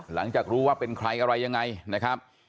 หลังจากรู้ว่าเป็นใครอะไรยังไงนะครับ